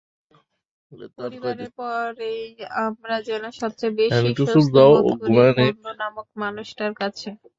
পরিবারের পরেই আমরা যেন সবচেয়ে বেশি স্বস্তিবোধ করি বন্ধু নামক মানুষটার কাছে।